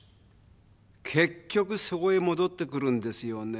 結局そこへ戻ってくるんですよね。